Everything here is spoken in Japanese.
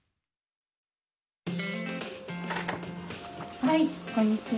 はいこんにちは。